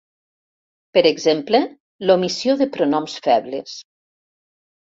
Per exemple, l'omissió de pronoms febles.